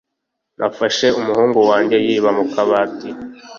Nafashe umuhungu wanjye yiba mu kabati.